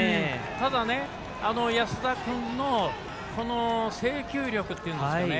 ただ、安田君の制球力というんですかね